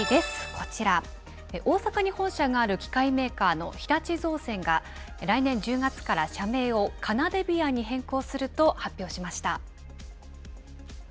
こちら、大阪に本社がある機械メーカーの日立造船が、来年１０月から社名をカナデビアに変更すると発表しました。